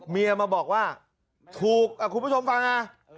เมียมาบอกว่าถูกคุณผู้ชมฟังนะ